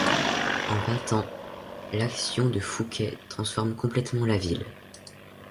En vingt ans, l'action de Fouquet transforme complètement la ville.